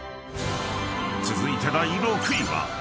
［続いて第６位は］